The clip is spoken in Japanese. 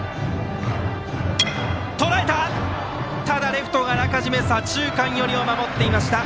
レフトはあらかじめ左中間寄りを守っていました。